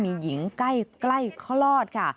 มีหญิงใกล้คลอดค่ะ